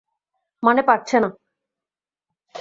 মানে পারছে না।